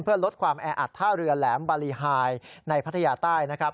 เพื่อลดความแออัดท่าเรือแหลมบารีไฮในพัทยาใต้นะครับ